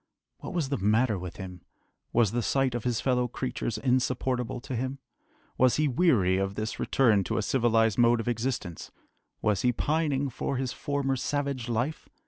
What was the matter with him? Was the sight of his fellow creatures insupportable to him? Was he weary of this return to a civilised mode of existence? Was he pining for his former savage life?